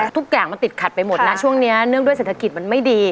ทุกอย่างมันติดขัดไปหมดนะช่วงนี้เนื่องด้วยเศรษฐกิจมันไม่ดี